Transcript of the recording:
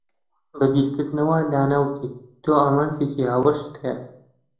بە بیرکردنەوەوە لانە وتی، تۆ ئامانجێکی هاوبەشت هەیە.